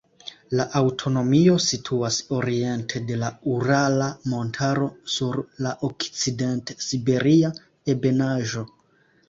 La aŭtonomio situas oriente de la Urala montaro sur la Okcident-Siberia ebenaĵo.